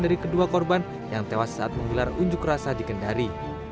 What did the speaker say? dari kedua korban yang tewas saat menggelar unjuk rasa di kendari